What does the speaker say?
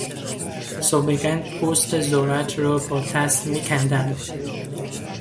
سابقا پوست ذرت را با دست میکندند.